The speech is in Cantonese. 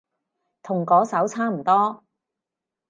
同嗰首差唔多